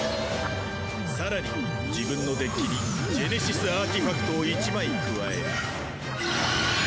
更に自分のデッキにジェネシスアーティファクトを１枚加える。